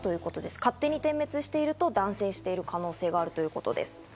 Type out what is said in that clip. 勝手に点滅していると断線してる可能性があるということです。